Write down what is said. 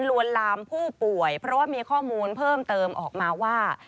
ลวนลามผู้ป่วยเพราะว่ามีข้อมูลเพิ่มเติมออกมาว่า